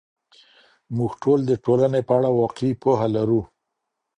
موږ ټول د ټولنې په اړه واقعي پوهه لرو.